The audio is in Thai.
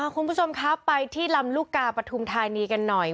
คุณผู้ชมครับไปที่ลำลูกกาปฐุมธานีกันหน่อย